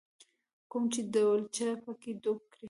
کوم چې ډولچه په کې ډوب کړې.